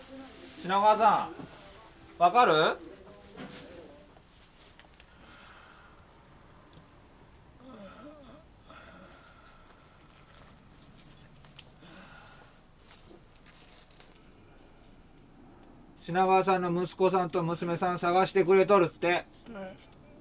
品川さんの息子さんと娘さん探してくれとるって。